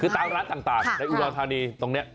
คือตามร้านต่างในอุดรธานีตรงนี้